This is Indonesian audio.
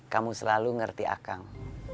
kamu selalu ngerti akang